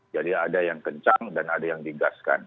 jadi ada yang kencang dan ada yang digaskan